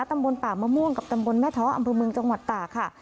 ตำบลป่ามะม่วงกับตำบลแม่ท้ออำเภอเมืองจังหวัดตากค่ะ